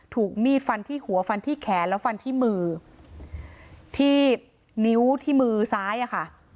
ถูกมีดฟันที่หัวฟันที่แขนแล้วฟันที่มือที่นิ้วที่มือซ้ายอะค่ะ